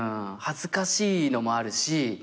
恥ずかしいのもあるし